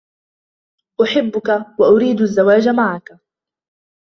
أحبك وأريد الزواج معك.